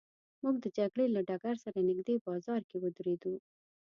موږ د جګړې له ډګر سره نږدې بازار کې ودرېدو.